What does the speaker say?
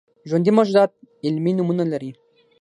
ژوندي موجودات علمي نومونه لري